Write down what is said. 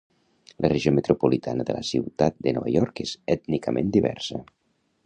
La regió metropolitana de la ciutat de Nova York és ètnicament diversa.